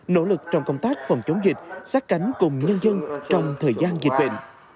nỗ lực trong công tác phòng chống dịch sát cánh cùng nhân dân trong thời gian dịch bệnh